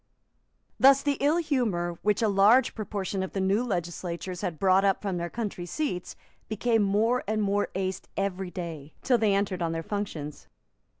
Thus the ill humour which a large proportion of the new legislators had brought up from their country seats became more and more aced every day, till they entered on their functions.